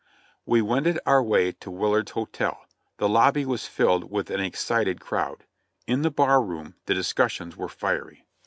We wended our way to Willard's Hotel; the lobby was filled with an excited crowd; in the bar room the discussions were fiery.